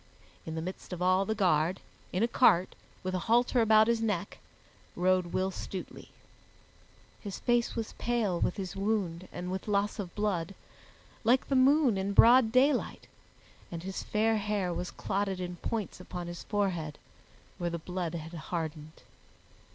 In the midst of all the guard, in a cart, with a halter about his neck, rode Will Stutely. His face was pale with his wound and with loss of blood, like the moon in broad daylight, and his fair hair was clotted in points upon his forehead, where the blood had hardened.